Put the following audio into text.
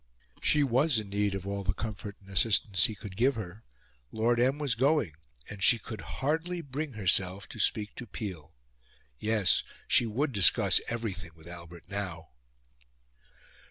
She was in need of all the comfort and assistance he could give her. Lord M. was going, and she could hardly bring herself to speak to Peel. Yes; she would discuss everything with Albert now!